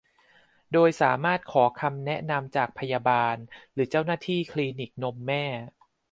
โดยสามารถขอคำแนะนำจากพยาบาลหรือเจ้าหน้าที่คลินิกนมแม่